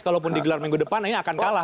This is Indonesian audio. kalau pun digelar minggu depan ini akan kalah